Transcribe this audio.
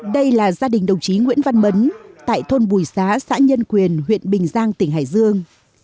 đây là gia đình đồng chí nguyễn văn bấn tại thôn bùi xá xã nhân quyền huyện bình giang tỉnh hải dương